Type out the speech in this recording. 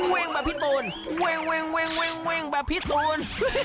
วิ่งแบบพี่ตูนวิ่งวิ่งแบบพี่ตูน